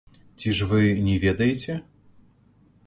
Ці ж вы не ведаеце?